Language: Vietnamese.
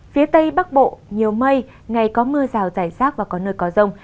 phía tây bắc bộ nhiều mây ngày có mưa rào rải rác và có nơi có rông